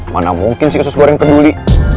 mana mungkin si sus goreng peduli